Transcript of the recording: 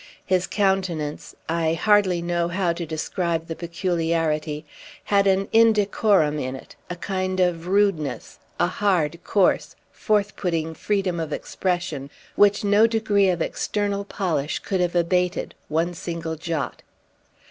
His countenance I hardly know how to describe the peculiarity had an indecorum in it, a kind of rudeness, a hard, coarse, forth putting freedom of expression, which no degree of external polish could have abated one single jot.